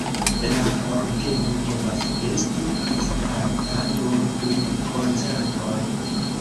La orgeno povas esti vizitata nur dum koncertoj.